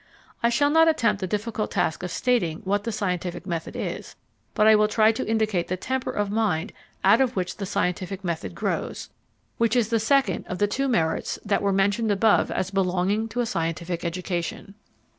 I shall not attempt the difficult task of stating what the scientific method is, but I will try to indicate the temper of mind out of which the scientific method grows, which is the second of the two merits that were mentioned above as belonging to a scientific education.